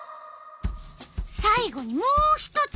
さい後にもう一つ。